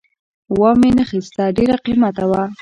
وامې نه خیسته ډېر قیمته وو